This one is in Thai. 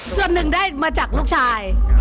ส่วนหนึ่งได้มาจากลูกชาย